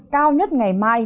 cao nhất ngày mai